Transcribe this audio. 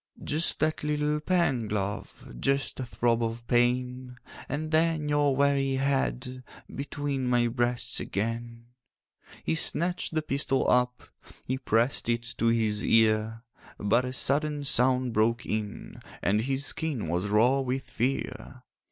'Just that little pang, love, Just a throb of pain, And then your weary head Between my breasts again.' He snatched the pistol up, He pressed it to his ear; But a sudden sound broke in, And his skin was raw with fear.